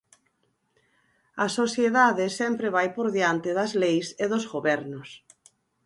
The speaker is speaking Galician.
A sociedade sempre vai por diante das leis e dos gobernos.